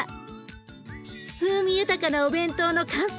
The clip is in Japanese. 風味豊かなお弁当の完成！